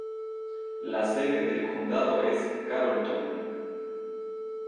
La sede del condado es Carrollton.